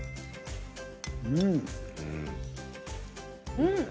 うん！